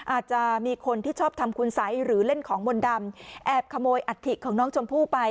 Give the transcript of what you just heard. อาจจะมีคนที่ชอบทำคุณสัยหรือเล่นของมนต์ดำแอบขโมยอัฐิของน้องชมพู่ไป